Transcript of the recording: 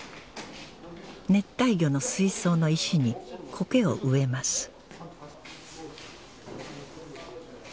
熱帯魚の水槽の石にこけを植えます